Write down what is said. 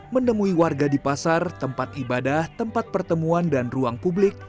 menemui warga di pasar tempat ibadah tempat pertemuan dan ruang publik